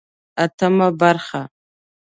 اتمه برخه